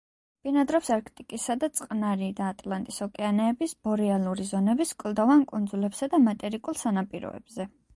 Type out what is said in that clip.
ბინადრობს არქტიკისა და წყნარი და ატლანტის ოკეანეების ბორეალური ზონების კლდოვან კუნძულებსა და მატერიკულ სანაპიროებზე.